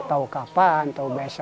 tau kapan tau besok